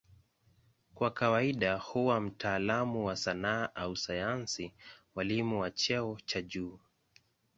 Kwa kawaida huwa mtaalamu wa sanaa au sayansi, mwalimu wa cheo cha juu.